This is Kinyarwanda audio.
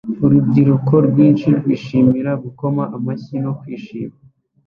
Urubyiruko rwinshi rwishimira gukoma amashyi no kwishima